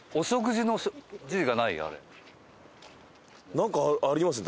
なんかありますね